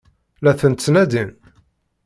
La ten-ttnadin?